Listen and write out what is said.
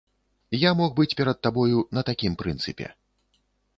Я мог быць перад табою на такім прынцыпе.